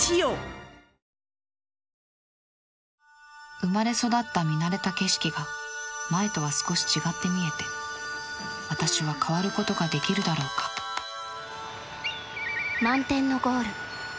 生まれ育った見慣れた景色が前とは少し違って見えて私は変わることができるだろうか「満天のゴール」。